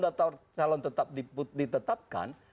daftar calon tetap ditetapkan